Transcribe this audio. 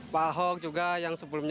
pak ahok juga yang sebelumnya